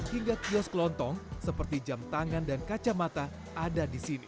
hingga kios kelontong seperti jam tangan dan kacamata ada di sini